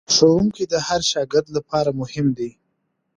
ښوونکی د هر شاګرد لپاره مهم دی.